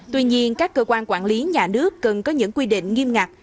tuy nhiên các cơ quan quản lý nhà nước cần có những quy định nghiêm ngặt